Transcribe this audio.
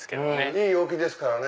いい陽気ですからね。